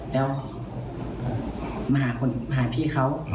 แล้วมาหาพี่เขา